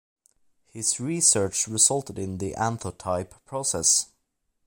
His research resulted in the anthotype process.